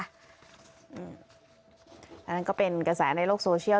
อันนั้นก็เป็นกระแสในโลกโซเชียล